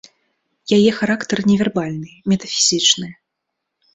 Яе характар невербальны, метафізічны.